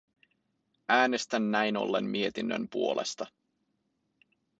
Äänestän näin ollen mietinnön puolesta.